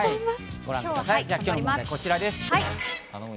今日の問題はこちらです。